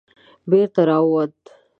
بېرته را ووت.